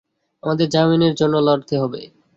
আমাদের জামিনের জন্য লড়তে হবে।